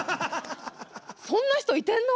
そんな人、いてんの？